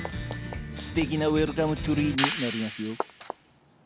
すてきなウエルカムトゥリーになりますよ。